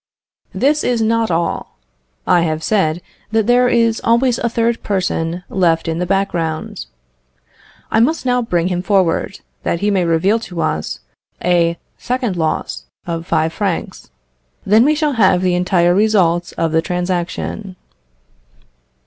This is not all. I have said that there is always a third person left in the background. I must now bring him forward, that he may reveal to us a second loss of five francs. Then we shall have the entire results of the transaction.